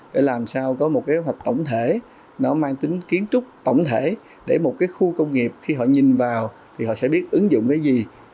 để làm sao có một kế hoạch tổng thể nó mang tính kiến trúc tổng thể để một cái khu công nghiệp khi họ nhìn vào thì họ sẽ biết ứng dụng cái gì